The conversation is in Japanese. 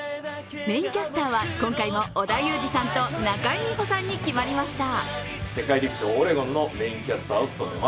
メインキャスターは、今回も織田裕二さんと中井美穂さんに決まりました。